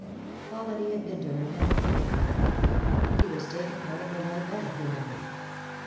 All that he had been to her meant nothing now. He was taken out of her life and her memory.